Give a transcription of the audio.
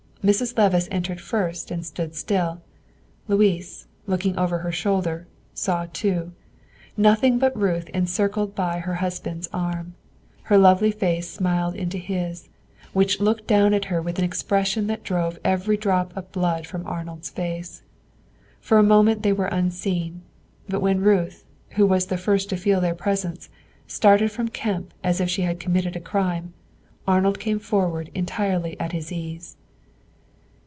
Mrs. Levice entered first and stood still; Louis, looking over her shoulder, saw too nothing but Ruth standing encircled by her husband's arm; her lovely face smiled into his, which looked down at her with an expression that drove every drop of blood from Arnold's face. For a moment they were unseen; but when Ruth, who was the first to feel their presence, started from Kemp as if she had committed a crime, Arnold came forward entirely at his ease.